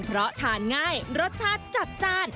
เพราะทานง่ายรสชาติจัดจ้าน